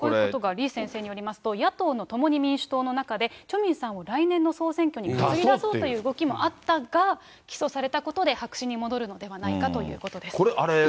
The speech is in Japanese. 李先生によりますと、野党の共に民主党の中で、チョ・ミンさんを来年の総選挙に担ぎ出そうという動きもあったが、起訴されたことで白紙に戻るのではないかということです。